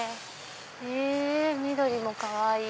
へぇ緑もかわいい。